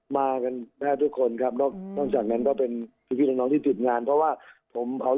มากันแทบทุกคนครับนอกจากนั้นก็เป็นทีมกับน้นที่ติดงานเพราะว่าผม